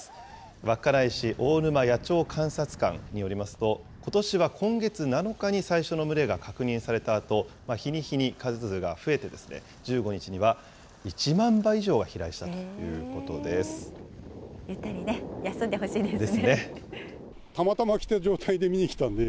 稚内市大沼野鳥観察館によりますと、ことしは今月７日に最初の群れが確認されたあと、日に日に数が増えて、１５日には１万羽以上が飛来したということです。ですね。